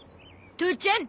父ちゃん。